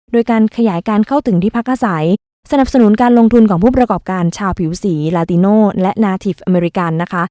โดยการขยายการเข้าถึงที่ภาคศัยสนับสนุนการลงทุนของผู้ประกอบการชาวผิวสีและนาทิฟต์อเมริกัน